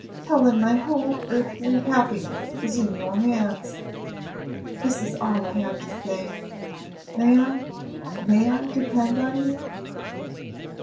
Helen, my whole earthly happiness is in your hands, this is all I have to say, may I may I depend on you?"